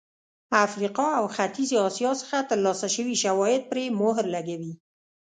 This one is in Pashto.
افریقا او ختیځې اسیا څخه ترلاسه شوي شواهد پرې مهر لګوي.